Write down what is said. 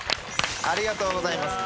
ありがとうございます。